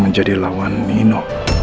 menjadi lawan nino